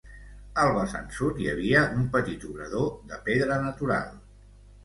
Al vessant sud hi havia un petit obrador de pedra natural.